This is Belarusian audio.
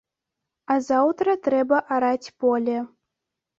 А заўтра трэба араць поле.